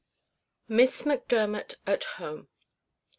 MISS MACDERMOT AT HOME.